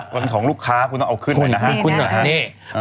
คุณต้องเอาขึ้นเลยนะครับ